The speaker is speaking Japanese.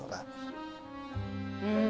うん。